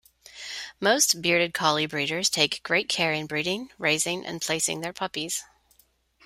Most Bearded Collie breeders take great care in breeding, raising and placing their puppies.